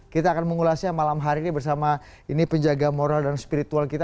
kita akan mengulasnya malam hari ini bersama ini penjaga moral dan spiritual kita